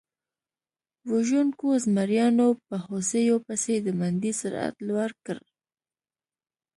وژونکو زمریانو په هوسیو پسې د منډې سرعت لوړ کړ.